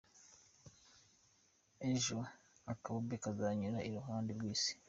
Ejo akabumbe kazanyura iruhande rw’Isi